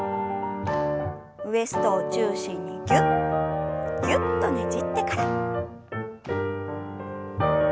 ウエストを中心にギュッギュッとねじってから。